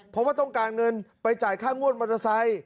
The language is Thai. เพราะว่าต้องการเงินไปจ่ายค่างวดมอเตอร์ไซค์